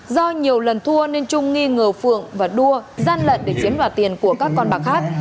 do nhiều lần thua nên trung nghi ngờ phượng và đua gian lận để chiếm đoạt tiền của các con bạc khác